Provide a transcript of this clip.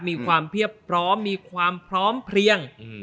มีความเพียบพร้อมมีความพร้อมเพลียง